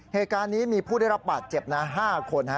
เหตุการณ์นี้มีผู้ได้รับบาดเจ็บนะ๕คน